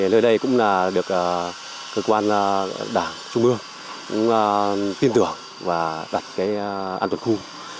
lơi đây cũng được cơ quan đảng trung ương tin tưởng và đặt an toàn khu